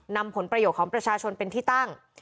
นำผลประโยชน์ของประชาชนเป็นที่ตั้ง